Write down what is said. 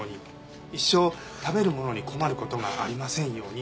「一生食べるものに困る事がありませんように」